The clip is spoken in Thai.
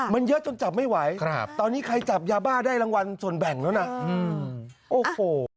มันเยอะจนจับไม่ไหวครับตอนนี้ใครจับยาบ้าได้รางวัลส่วนแบ่งแล้วนะโอ้โห